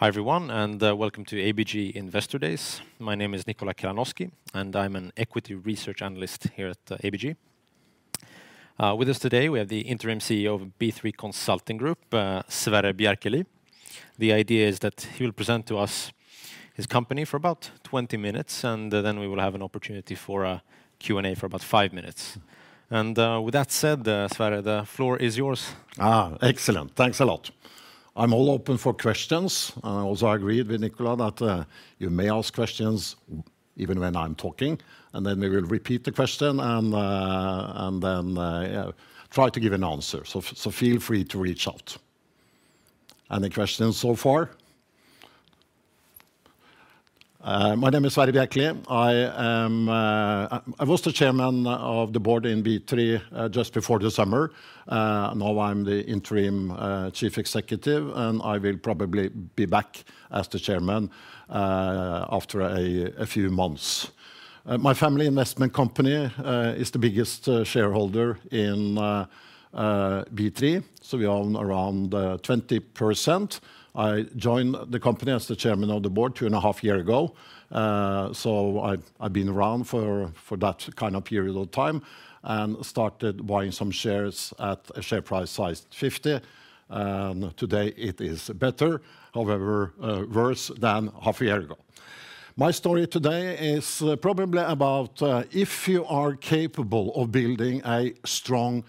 Hi, everyone, and welcome to ABG Investor Days. My name is Nikola Kalanoski, and I'm an Equity Research Analyst here at ABG. With us today, we have the Interim CEO of B3 Consulting Group, Sverre Bjerkeli. The idea is that he will present to us his company for about 20 minutes, and then we will have an opportunity for a Q&A for about 5 minutes. With that said, Sverre, the floor is yours. Ah, excellent. Thanks a lot. I'm all open for questions. I also agreed with Nikola that you may ask questions even when I'm talking, and then we will repeat the question and then try to give an answer. So feel free to reach out. Any questions so far? My name is Sverre Bjerkeli. I am. I was the Chairman of the Board in B3 just before the summer. Now I'm the interim Chief Executive, and I will probably be back as the Chairman after a few months. My family investment company is the biggest shareholder in B3, so we own around 20%. I joined the company as the Chairman of the Board 2.5 years ago. So I've been around for that kind of period of time, and started buying some shares at a share price of 50, and today it is better, however, worse than half a year ago. My story today is probably about if you are capable of building a strong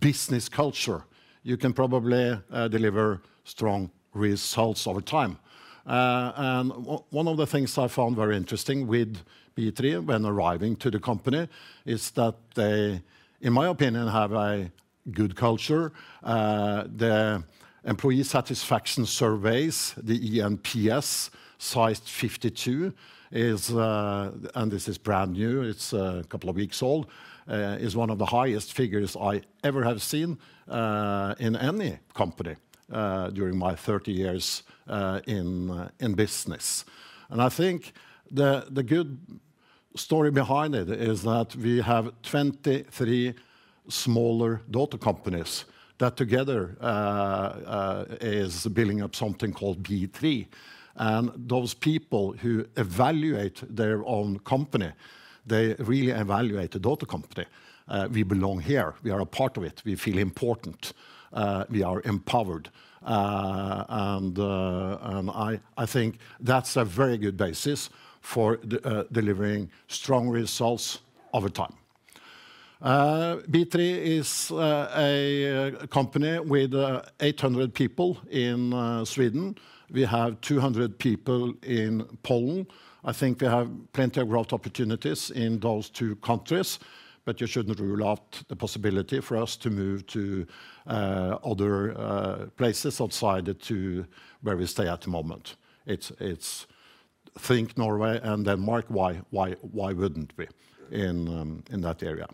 business culture, you can probably deliver strong results over time. One of the things I found very interesting with B3 when arriving to the company is that they, in my opinion, have a good culture. The employee satisfaction surveys, the eNPS sized 52, is. This is brand new, it's a couple of weeks old, is one of the highest figures I ever have seen in any company during my 30 years in business. And I think the good story behind it is that we have 23 smaller daughter companies that together is building up something called B3, and those people who evaluate their own company, they really evaluate the daughter company. "We belong here. We are a part of it. We feel important. We are empowered." And I think that's a very good basis for delivering strong results over time. B3 is a company with 800 people in Sweden. We have 200 people in Poland. I think we have plenty of growth opportunities in those two countries, but you shouldn't rule out the possibility for us to move to other places outside to where we stay at the moment. It's. Think Norway, and then why, why, why wouldn't we in that area?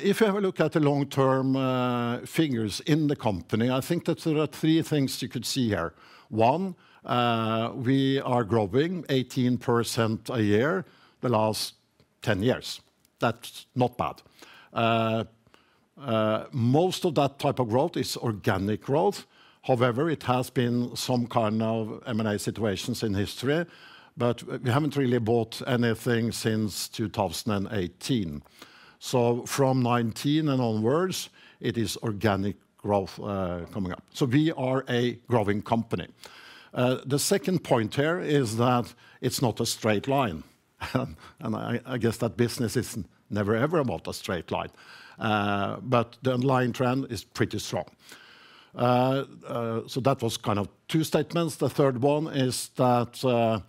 If you have a look at the long-term figures in the company, I think that there are three things you could see here. One, we are growing 18% a year, the last 10 years. That's not bad. Most of that type of growth is organic growth. However, it has been some kind of M&A situations in history, but we haven't really bought anything since 2018. So from 2019 and onwards, it is organic growth coming up. So we are a growing company. The second point here is that it's not a straight line, and I guess that business is never, ever about a straight line, but the line trend is pretty strong. So that was kind of two statements. The third one is that,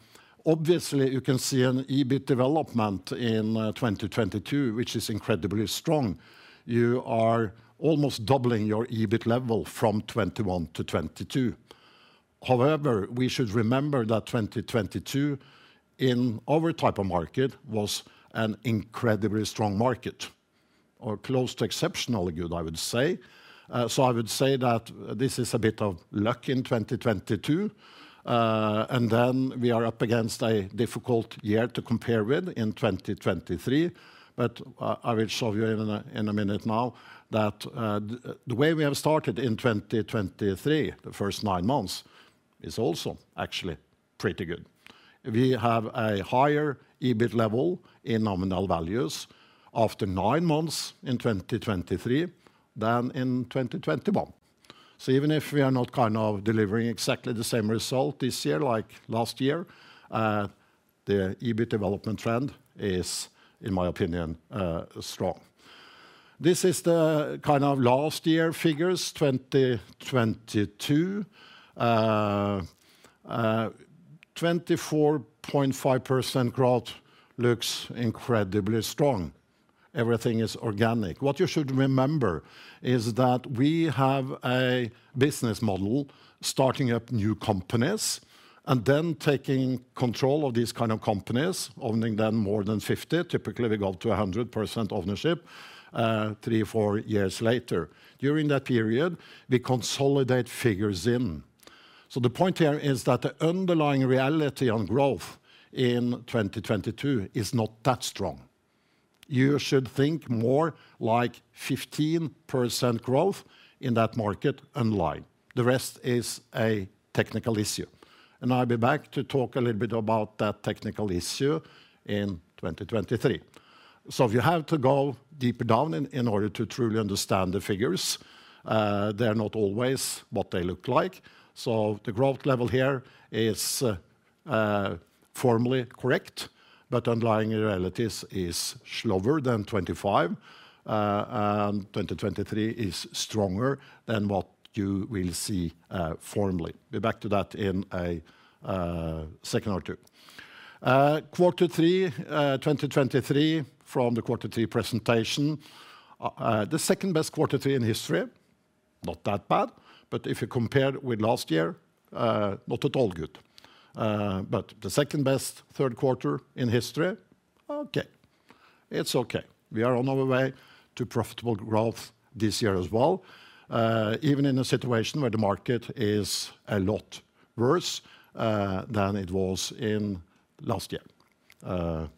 obviously you can see an EBIT development in, 2022, which is incredibly strong. You are almost doubling your EBIT level from 2021 to 2022. However, we should remember that 2022, in our type of market, was an incredibly strong market, or close to exceptionally good, I would say. So I would say that this is a bit of luck in 2022, and then we are up against a difficult year to compare with in 2023. But I, I will show you even in a minute now that, the way we have started in 2023, the first nine months, is also actually pretty good. We have a higher EBIT level in nominal values after nine months in 2023 than in 2021. So even if we are not kind of delivering exactly the same result this year like last year, the EBIT development trend is, in my opinion, strong. This is the kind of last year figures, 2022. 24.5% growth looks incredibly strong. Everything is organic. What you should remember is that we have a business model, starting up new companies, and then taking control of these kind of companies, owning them more than 50. Typically, we go up to 100% ownership, 3-4 years later. During that period, we consolidate figures in. So the point here is that the underlying reality on growth in 2022 is not that strong. You should think more like 15% growth in that market underlying. The rest is a technical issue, and I'll be back to talk a little bit about that technical issue in 2023. So you have to go deeper down in order to truly understand the figures. They are not always what they look like. So the growth level here is formally correct, but underlying realities is slower than 25, and 2023 is stronger than what you will see formally. Be back to that in a Q2. Q3, 2023, from the Q3 presentation, the second-best Q3 in history. Not that bad, but if you compare with last year, not at all good. But the second-best Q3 in history, okay. It's okay. We are on our way to profitable growth this year as well, even in a situation where the market is a lot worse than it was in last year.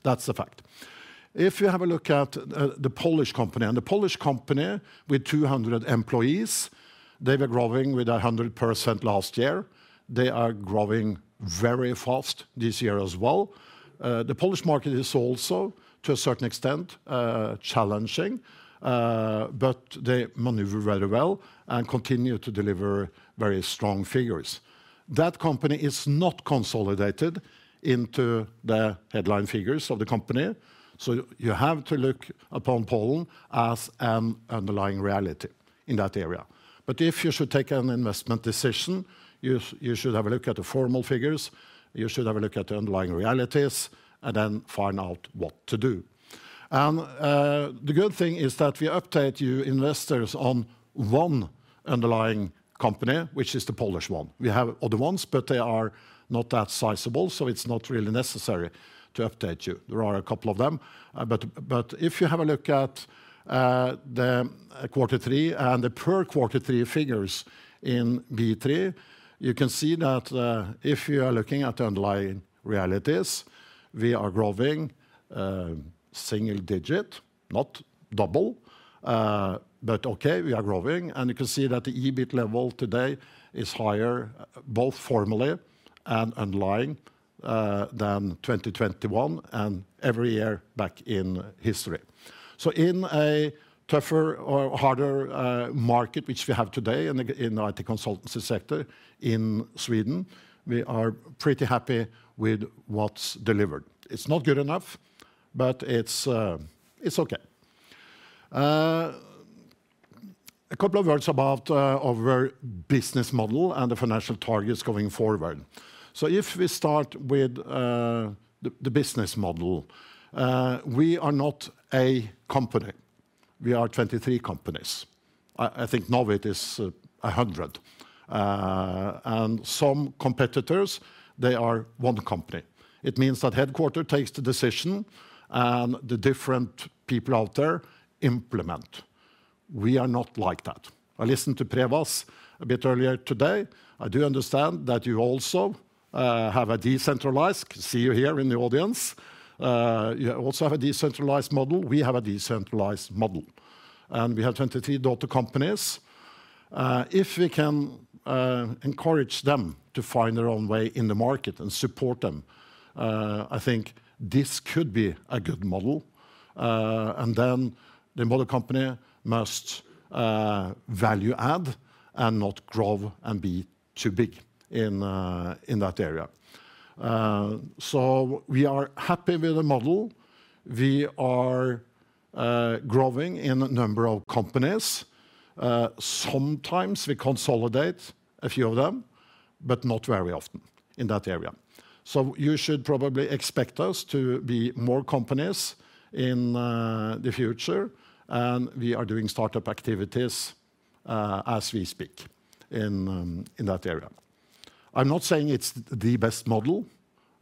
That's a fact. If you have a look at the Polish company, and the Polish company with 200 employees, they were growing with 100% last year. They are growing very fast this year as well. The Polish market is also, to a certain extent, challenging, but they maneuver very well and continue to deliver very strong figures. That company is not consolidated into the headline figures of the company, so you have to look upon Poland as an underlying reality in that area. But if you should take an investment decision, you should have a look at the formal figures, you should have a look at the underlying realities, and then find out what to do. And the good thing is that we update you investors on one underlying company, which is the Polish one. We have other ones, but they are not that sizable, so it's not really necessary to update you. There are a couple of them. But if you have a look at the Q3 and the per Q3 figures in B3, you can see that if you are looking at underlying realities, we are growing single digit, not double. But okay, we are growing, and you can see that the EBIT level today is higher, both formally and underlying, than 2021 and every year back in history. So in a tougher or harder market, which we have today in the, in IT consultancy sector in Sweden, we are pretty happy with what's delivered. It's not good enough, but it's, it's okay. A couple of words about our business model and the financial targets going forward. So if we start with the, the business model, we are not a company. We are 23 companies. I, I think Knowit is 100. And some competitors, they are one company. It means that headquarters takes the decision, and the different people out there implement. We are not like that. I listened to Prevas a bit earlier today. I do understand that you also have a decentralized. I can see you here in the audience. You also have a decentralized model. We have a decentralized model, and we have 23 daughter companies. If we can encourage them to find their own way in the market and support them, I think this could be a good model. And then the mother company must value-add and not grow and be too big in that area. So we are happy with the model. We are growing in a number of companies. Sometimes we consolidate a few of them, but not very often in that area. So you should probably expect us to be more companies in the future, and we are doing start-up activities as we speak in that area. I'm not saying it's the best model.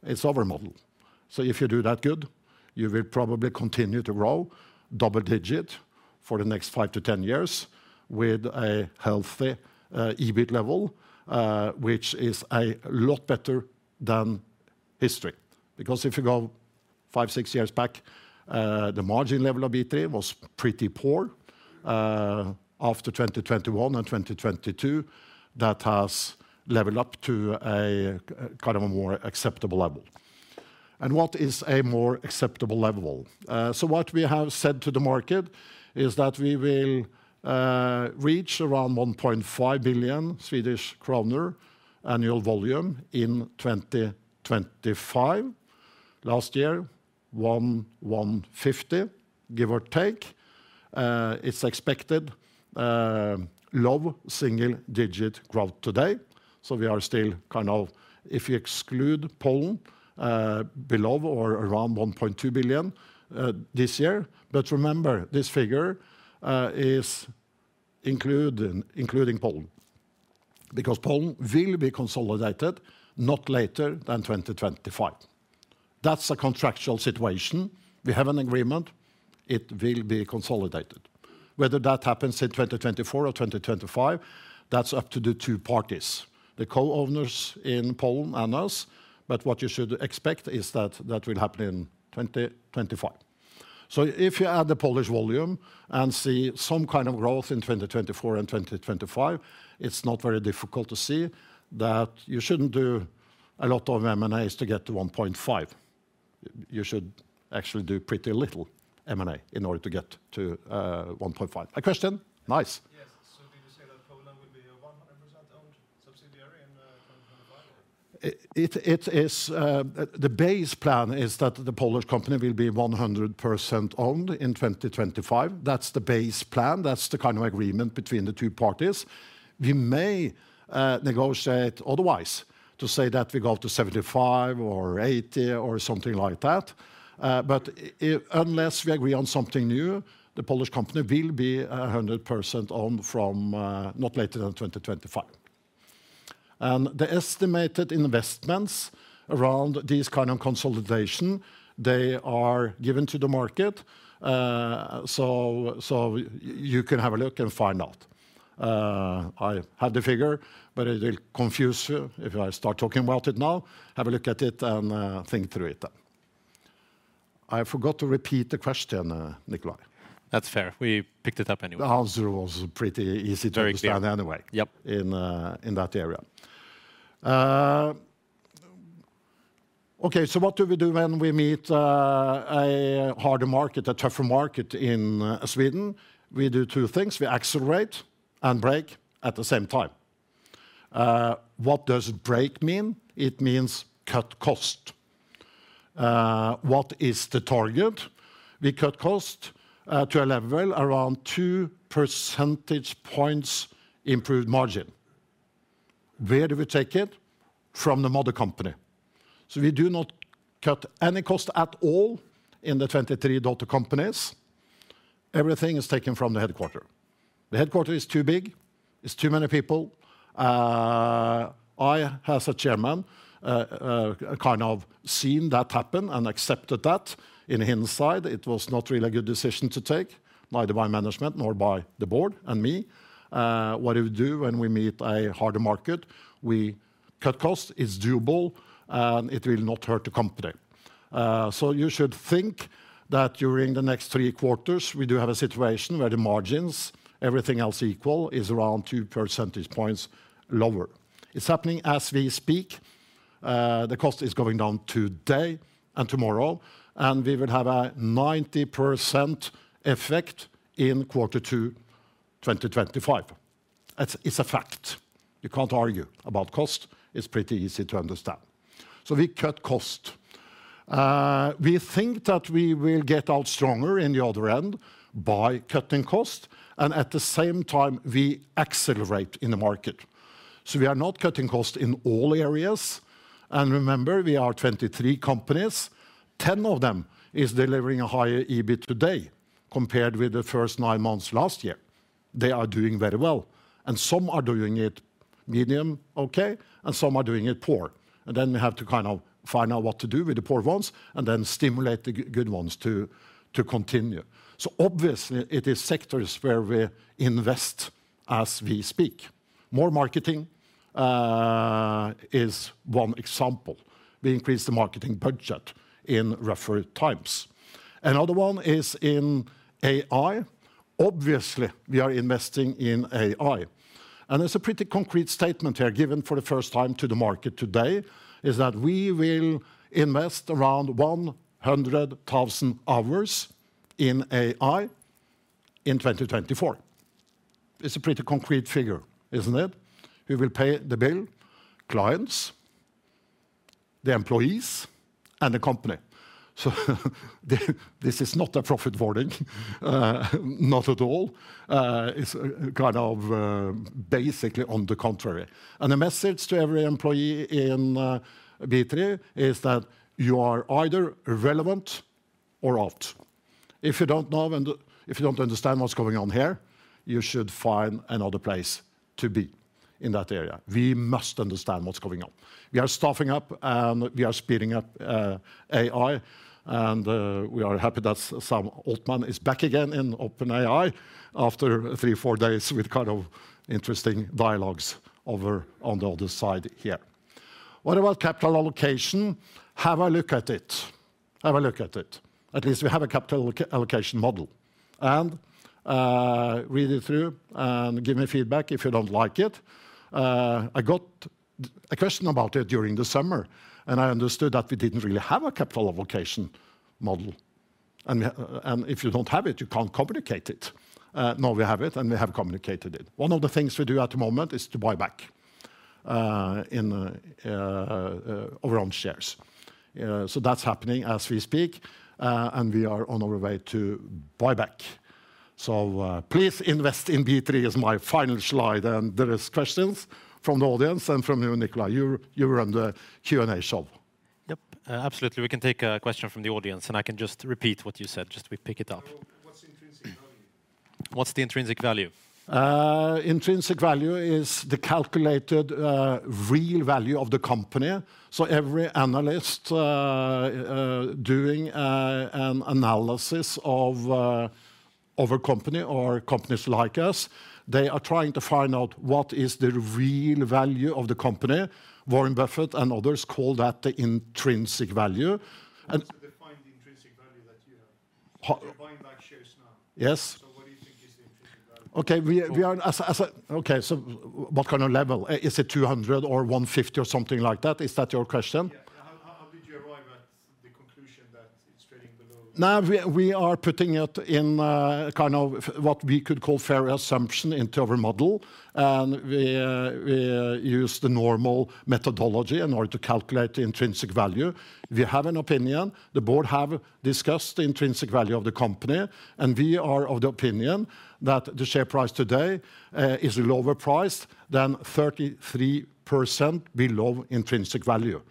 It's our model. So if you do that good, you will probably continue to grow double digit for the next 5-10 years with a healthy, EBIT level, which is a lot better than history. Because if you go 5-6 years back, the margin level of B3 was pretty poor. After 2021 and 2022, that has leveled up to a kind of a more acceptable level. And what is a more acceptable level? So what we have said to the market is that we will reach around 1.5 billion Swedish kronor annual volume in 2025. Last year, 1.15 billion, give or take. It's expected low single-digit growth today, so we are still kind of, if you exclude Poland, below or around 1.2 billion this year. But remember, this figure including Poland, because Poland will be consolidated not later than 2025. That's a contractual situation. We have an agreement. It will be consolidated, whether that happens in 2024 or 2025, that's up to the two parties, the co-owners in Poland and us. But what you should expect is that that will happen in 2025. So if you add the Polish volume and see some kind of growth in 2024 and 2025, it's not very difficult to see that you shouldn't do a lot of M&As to get to 1.5. You should actually do pretty little M&A in order to get to 1.5. A question? Nice. Yes. So did you say that Poland will be a 100% owned subsidiary in 2025 or? The base plan is that the Polish company will be 100% owned in 2025. That's the base plan. That's the kind of agreement between the two parties. We may negotiate otherwise, to say that we go up to 75 or 80 or something like that. But unless we agree on something new, the Polish company will be 100% owned from not later than 2025. And the estimated investments around this kind of consolidation, they are given to the market, so you can have a look and find out. I have the figure, but it will confuse you if I start talking about it now. Have a look at it and think through it then. I forgot to repeat the question, Nikola. That's fair. We picked it up anyway. The answer was pretty easy to. Very clear Understand anyway- Yep In, in that area. Okay, so what do we do when we meet a harder market, a tougher market in Sweden? We do two things: we accelerate and brake at the same time. What does brake mean? It means cut cost. What is the target? We cut cost to a level around two percentage points improved margin. Where do we take it? From the mother company. So we do not cut any cost at all in the 23 daughter companies. Everything is taken from the headquarters. The headquarters is too big, it's too many people. I, as a Chairman, kind of seen that happen and accepted that. In hindsight, it was not really a good decision to take, neither by management nor by the board and me. What we do when we meet a harder market, we cut cost. It's doable, and it will not hurt the company. So you should think that during the next three quarters, we do have a situation where the margins, everything else equal, is around two percentage points lower. It's happening as we speak. The cost is going down today and tomorrow, and we will have a 90% effect in Q2, 2025. That's a fact. You can't argue about cost. It's pretty easy to understand. So we cut cost. We think that we will get out stronger in the other end by cutting cost, and at the same time, we accelerate in the market. So we are not cutting cost in all areas, and remember, we are 23 companies. 10 of them is delivering a higher EBIT today compared with the first nine months last year. They are doing very well, and some are doing it medium okay, and some are doing it poor. And then we have to kind of find out what to do with the poor ones and then stimulate the good ones to, to continue. So obviously, it is sectors where we invest as we speak. More marketing is one example. We increased the marketing budget in tougher times. Another one is in AI. Obviously, we are investing in AI, and it's a pretty concrete statement here, given for the first time to the market today, is that we will invest around 100,000 hours in AI in 2024. It's a pretty concrete figure, isn't it? Who will pay the bill? Clients, the employees, and the company. This is not a profit warning, not at all. It's kind of, basically, on the contrary. The message to every employee in B3 is that you are either relevant or out. If you don't know and if you don't understand what's going on here, you should find another place to be in that area. We must understand what's going on. We are staffing up, and we are speeding up AI, and we are happy that Sam Altman is back again in OpenAI after 3-4 days with kind of interesting dialogues over on the other side here. What about capital allocation? Have a look at it. Have a look at it. At least we have a capital allocation model, and read it through and give me feedback if you don't like it. I got a question about it during the summer, and I understood that we didn't really have a capital allocation model, and if you don't have it, you can't communicate it. Now we have it, and we have communicated it. One of the things we do at the moment is to buy back our own shares. So that's happening as we speak, and we are on our way to buy back. So please invest in B3 is my final slide, and there is questions from the audience and from you, Nikola. You run the Q&A show. Yep, absolutely. We can take a question from the audience, and I can just repeat what you said, just we pick it up. So what's the intrinsic value? What's the intrinsic value? Intrinsic value is the calculated real value of the company. So every analyst doing an analysis of a company or companies like us, they are trying to find out what is the real value of the company. Warren Buffett and others call that the intrinsic value, and- How does it define the intrinsic value that you have? How- You're buying back shares now. Yes. What do you think is the Intrinsic Value? Okay, so what kind of level? Is it 200 or 150 or something like that? Is that your question? Yeah. How did you arrive at the conclusion that it's trading below? Now, we are putting it in kind of what we could call fair assumption into our model, and we use the normal methodology in order to calculate the intrinsic value. We have an opinion. The board have discussed the intrinsic value of the company, and we are of the opinion that the share price today is lower priced than 33% below intrinsic value.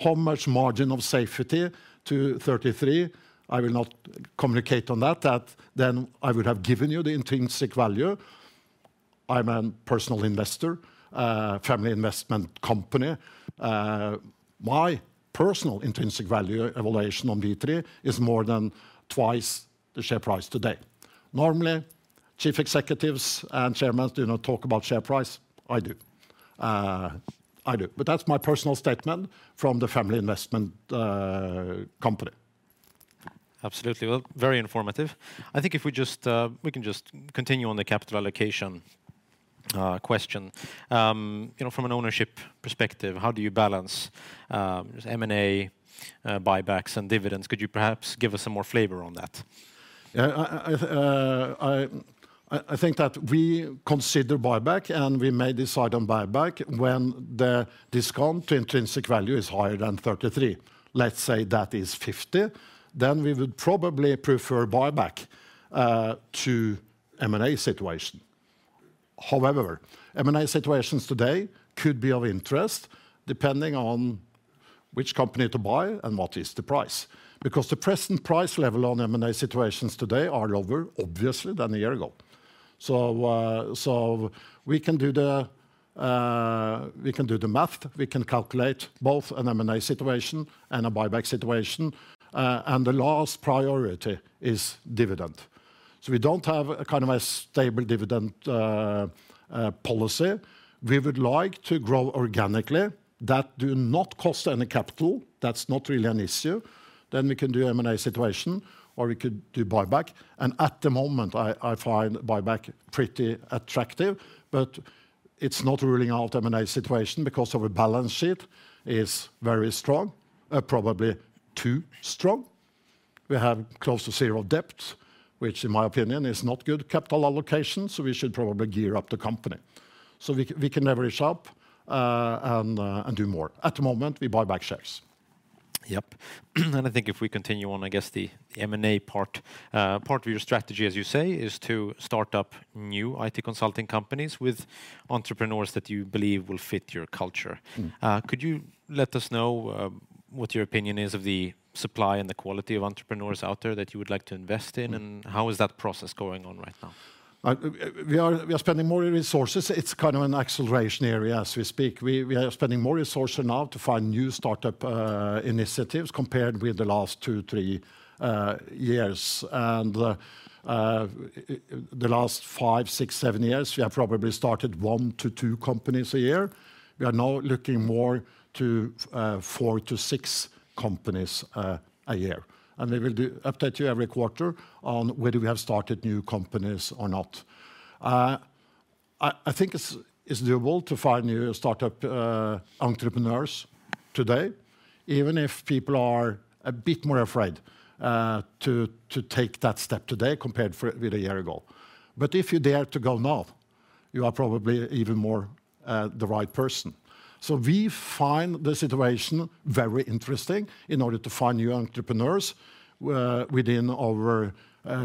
How much margin of safety to 33%? I will not communicate on that. That then I would have given you the intrinsic value. I'm a personal investor, a family investment company. My personal intrinsic value evaluation on B3 is more than twice the share price today. Normally, chief executives and chairmen do not talk about share price. I do. I do, but that's my personal statement from the family investment company. Absolutely. Well, very informative. I think if we just, we can just continue on the capital allocation question. You know, from an ownership perspective, how do you balance M&A, buybacks, and dividends? Could you perhaps give us some more flavor on that? Yeah, I think that we consider buyback, and we may decide on buyback when the discount to intrinsic value is higher than 33. Let's say that is 50, then we would probably prefer buyback to M&A situation. However, M&A situations today could be of interest, depending on which company to buy and what is the price. Because the present price level on M&A situations today are lower, obviously, than a year ago. So we can do the math. We can calculate both an M&A situation and a buyback situation, and the last priority is dividend. So we don't have a kind of a stable dividend policy. We would like to grow organically. That do not cost any capital. That's not really an issue. Then we can do M&A situation, or we could do buyback, and at the moment, I find buyback pretty attractive. But it's not ruling out M&A situation because our balance sheet is very strong, probably too strong. We have close to zero debt, which in my opinion, is not good capital allocation, so we should probably gear up the company. So we can leverage up, and do more. At the moment, we buy back shares. Yep. And I think if we continue on, I guess, the M&A part, part of your strategy, as you say, is to start up new IT consulting companies with entrepreneurs that you believe will fit your culture. Could you let us know what your opinion is of the supply and the quality of entrepreneurs out there that you would like to invest in, and how is that process going on right now? We are spending more resources. It's kind of an acceleration area as we speak. We are spending more resources now to find new startup initiatives compared with the last 2-3 years. And the last 5-7 years, we have probably started 1-2 companies a year. We are now looking more to 4-6 companies a year, and we will update you every quarter on whether we have started new companies or not. I think it's doable to find new startup entrepreneurs today, even if people are a bit more afraid to take that step today compared with a year ago. But if you dare to go now, you are probably even more the right person. So we find the situation very interesting in order to find new entrepreneurs, within our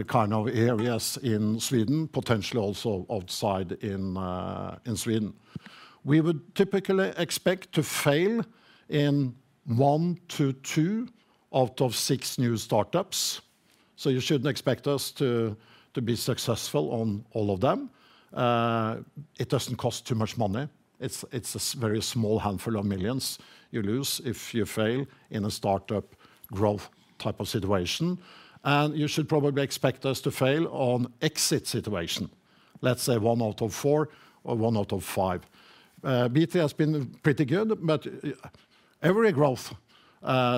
kind of areas in Sweden, potentially also outside in Sweden. We would typically expect to fail in one to two out of six new startups, so you shouldn't expect us to be successful on all of them. It doesn't cost too much money. It's a very small handful of millions you lose if you fail in a startup growth type of situation, and you should probably expect us to fail on exit situation, let's say one out of four or one out of five. B3 has been pretty good, but every growth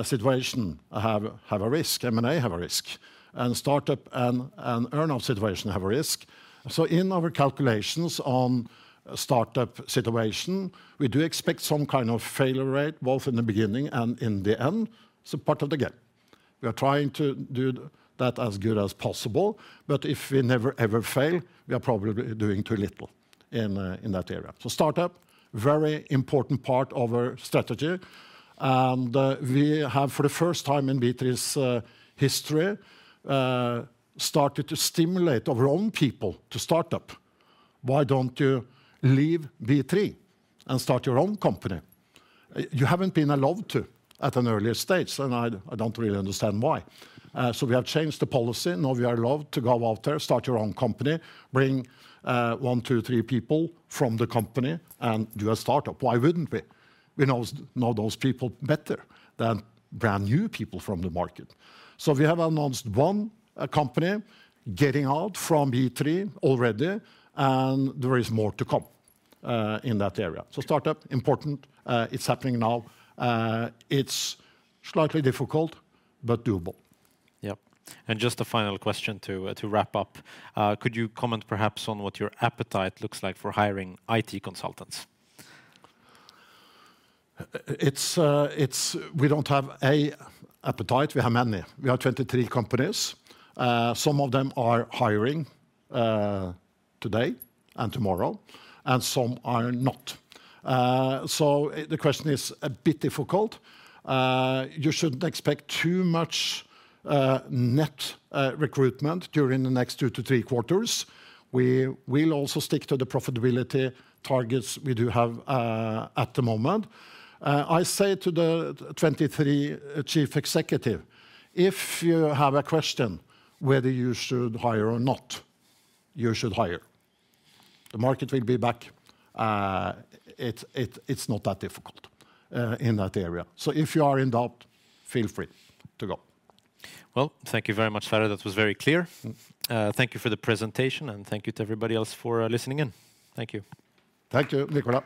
situation have a risk, M&A have a risk, and startup and earn-out situation have a risk. So in our calculations on a startup situation, we do expect some kind of failure rate, both in the beginning and in the end. It's a part of the game. We are trying to do that as good as possible, but if we never, ever fail, we are probably doing too little in that area. So startup, very important part of our strategy, and we have, for the first time in B3's history, started to stimulate our own people to start up. Why don't you leave B3 and start your own company? You haven't been allowed to at an earlier stage, and I don't really understand why. So we have changed the policy. Now, you are allowed to go out there, start your own company, bring one, two, three people from the company and do a startup. Why wouldn't we? We know, know those people better than brand-new people from the market. So we have announced one, a company, getting out from B3 already, and there is more to come, in that area. So startup, important, it's happening now. It's slightly difficult, but doable. Yep, and just a final question to, to wrap up. Could you comment perhaps on what your appetite looks like for hiring IT consultants? It's. We don't have an appetite. We have many. We have 23 companies. Some of them are hiring today and tomorrow, and some are not. So the question is a bit difficult. You shouldn't expect too much net recruitment during the next 2-3 quarters. We will also stick to the profitability targets we do have at the moment. I say to the 23 chief executives, "If you have a question whether you should hire or not, you should hire." The market will be back. It's not that difficult in that area. So if you are in doubt, feel free to go. Well, thank you very much, Sverre. That was very clear. Thank you for the presentation, and thank you to everybody else for listening in. Thank you. Thank you, Nikola.